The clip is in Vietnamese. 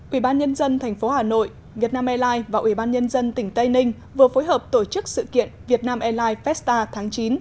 ủy ban nhân dân thành phố hà nội việt nam airlines và ủy ban nhân dân tỉnh tây ninh vừa phối hợp tổ chức sự kiện việt nam airlines festa tháng chín